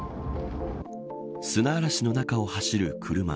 砂嵐の中を走る車。